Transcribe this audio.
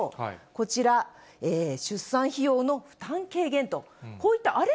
こちら、出産費用の負担軽減と、こういった、あれ？